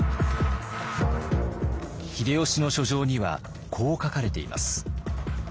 秀吉の書状にはこう書かれています。